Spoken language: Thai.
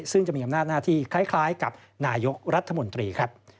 ซึ่งจะมีอำนาจหน้าที่คล้ายกับนายกรัฐมนตรีครับ